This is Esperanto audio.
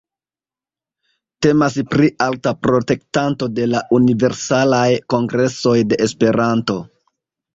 Temas pri alta protektanto de la Universalaj Kongresoj de Esperanto.